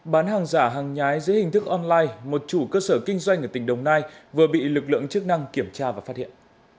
bán hàng giả hàng nhái dưới hình thức online một chủ cơ sở kinh doanh ở tỉnh đồng nai vừa bị lực lượng chức năng kiểm tra và phát hiện